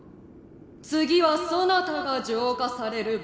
次はそなたが浄化される番です。